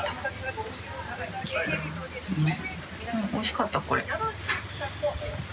うんおいしかったこれ。